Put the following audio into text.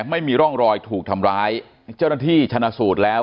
ไม่มีร่องรอยถูกทำร้ายเจ้าหน้าที่ชนะสูตรแล้ว